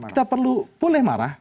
kita boleh marah